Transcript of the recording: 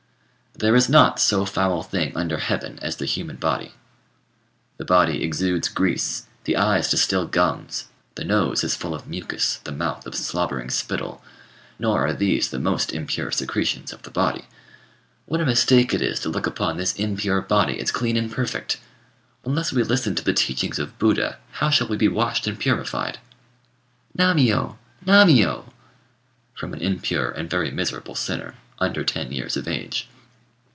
"There is not so foul thing under heaven as the human body. The body exudes grease, the eyes distil gums, the nose is full of mucus, the mouth of slobbering spittle; nor are these the most impure secretions of the body. What a mistake it is to look upon this impure body as clean and perfect! Unless we listen to the teachings of Buddha, how shall we be washed and purified?" "Nammiyô, nammiyô!" from an impure and very miserable sinner, under ten years of age.